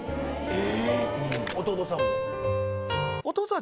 え！